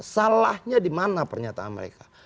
salahnya di mana pernyataan mereka